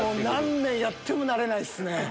何年やっても慣れないっすね。